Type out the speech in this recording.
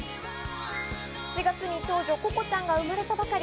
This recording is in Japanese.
７月に長女・心ちゃんが生まれたばかり。